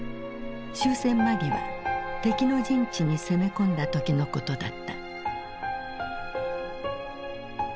終戦間際敵の陣地に攻め込んだ時のことだった。